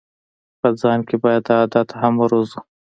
په ځان کې باید دا عادت هم وروزو.